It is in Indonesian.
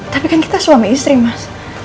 tapi kan kita suami istri mas